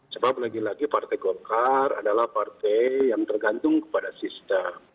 sebab lagi lagi partai golkar adalah partai yang tergantung kepada sistem